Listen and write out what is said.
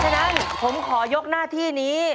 ฉะนั้นผมขอยกหน้าที่นี้